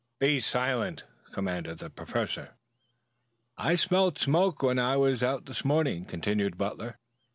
"Be silent," commanded the Professor. "I smelled smoke when I was out this morning," continued Butler.